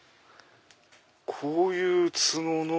こういう角の。